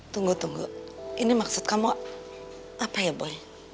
tunggu tunggu ini maksud kamu apa ya boleh